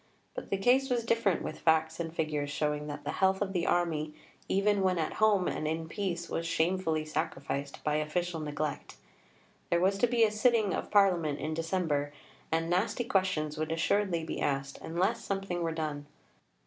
But the case was different with facts and figures showing that the health of the Army, even when at home and in peace, was shamefully sacrificed by official neglect. There was to be a sitting of Parliament in December, and nasty questions would assuredly be asked unless something were done.